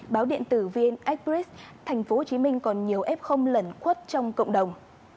báo điện tử vn express tp hcm còn nhiều ép không lẩn khuất trong cộng đồng